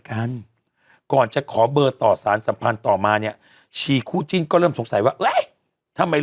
ใครวะใครล่ะใครล่ะ